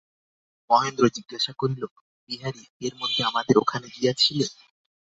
মহেন্দ্র জিজ্ঞাসা করিল, বিহারী, এর মধ্যে আমাদের ওখানে গিয়াছিলে?